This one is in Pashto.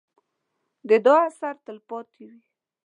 د دعا اثر تل پاتې وي.